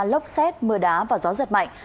lốc xét mưa đá và gió giật mạnh